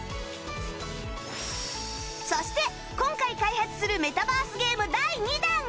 そして今回開発するメタバースゲーム第２弾